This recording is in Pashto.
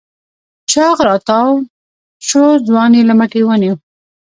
چاغ راتاوشو ځوان يې له مټې ونيو.